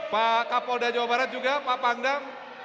pak kapolda jawa barat juga pak pangdam